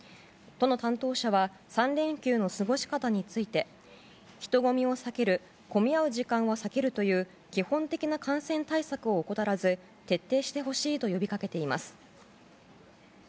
都の担当者は３連休の過ごし方について人混みを避ける混み合う時間を避けるという基本的な感染対策を怠らず徹底してほしいと呼びかけています。